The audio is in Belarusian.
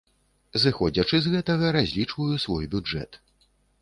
Зыходзячы з гэтага, разлічваю свой бюджэт.